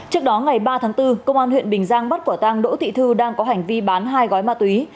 trước đó ngày ba tháng bốn công an huyện bình giang bắt quả tang đỗ thị thư đang có hành vi bán hai gói ma túy